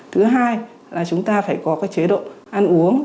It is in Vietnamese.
thứ hai là chúng ta phải có cái chế độ ăn uống